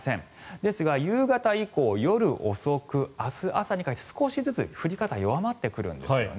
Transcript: ですが、夕方以降夜遅く、明日朝にかけて少しずつ降り方が弱まってくるんですね。